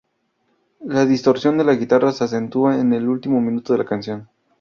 La distorsión de la guitarra se acentúa en el último minuto de la canción.